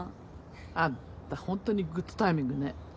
あんたホントにグッドタイミングね。